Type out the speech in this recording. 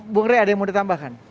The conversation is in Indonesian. bu ngeri ada yang mau ditambahkan